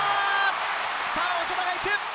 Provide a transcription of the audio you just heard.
さあ、長田が行く。